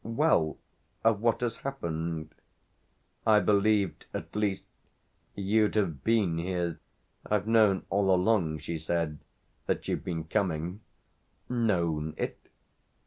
"Well of what has happened." "I believed at least you'd have been here. I've known, all along," she said, "that you've been coming." "'Known' it